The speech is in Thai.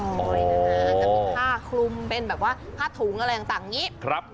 จำนวนผ้าคลุมเป็นแบบว่าผ้าถุงอะไรอย่างต่างอย่างงี้